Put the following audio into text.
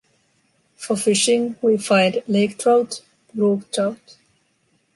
For fishing, we find lake trout, brook trout.